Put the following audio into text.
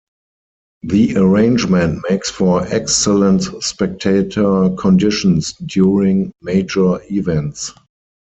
The arrangement makes for excellent spectator conditions during major events.